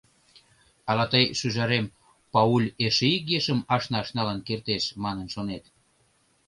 — Ала тый, шӱжарем, Пауль эше ик ешым ашнаш налын кертеш, манын шонет?